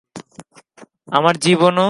আমার জীবনও ততটাই!